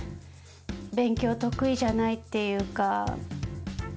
勉強得意じゃないっていうか。